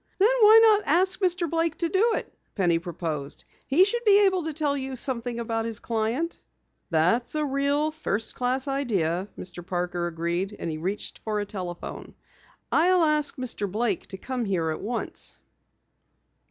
"Then why not ask Mr. Blake to do it?" Penny proposed. "He should be able to tell you something about his client." "That's really a first class idea," Mr. Parker agreed and he reached for a telephone. "I'll ask Mr. Blake to come here at once."